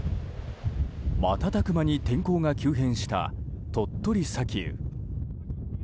瞬く間に天候が急変した鳥取砂丘。